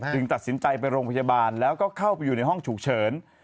ตัดสินใจไปโรงพยาบาลแล้วก็เข้าไปอยู่ในห้องฉุกเฉิน